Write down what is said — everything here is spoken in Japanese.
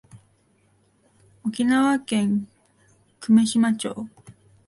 沖縄県久米島町